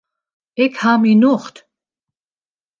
Ik ha myn nocht.